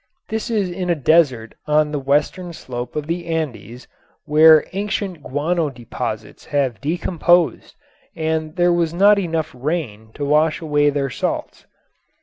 This is in a desert on the western slope of the Andes where ancient guano deposits have decomposed and there was not enough rain to wash away their salts.